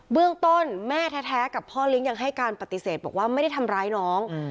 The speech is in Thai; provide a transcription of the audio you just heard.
เรื่องต้นแม่แท้กับพ่อเลี้ยงยังให้การปฏิเสธบอกว่าไม่ได้ทำร้ายน้อง